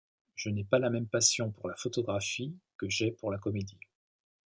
Je n'ai pas la même passion pour la photographie que j'ai pour la comédie.